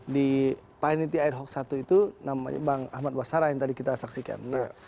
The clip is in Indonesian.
di panitia ad hoc i itu namanya bang ahmad basara yang tadi kita saksikan